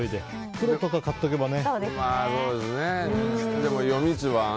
黒とか買っておけばね。